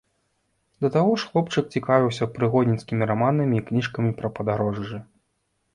Да таго ж хлопчык цікавіўся прыгодніцкімі раманамі і кніжкамі пра падарожжы.